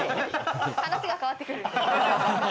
話が変わってくる。